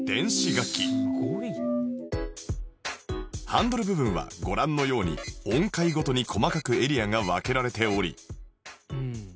ハンドル部分はご覧のように音階ごとに細かくエリアが分けられており